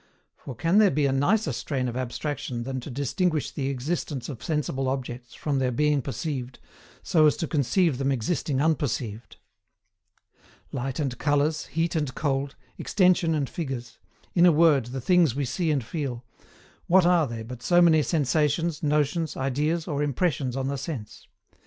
For can there be a nicer strain of abstraction than to distinguish the existence of sensible objects from their being perceived, so as to conceive them existing unperceived? Light and colours, heat and cold, extension and figures in a word the things we see and feel what are they but so many sensations, notions, ideas, or impressions on the sense?